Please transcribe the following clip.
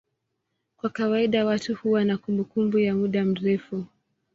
Kwa kawaida watu huwa na kumbukumbu ya muda mrefu.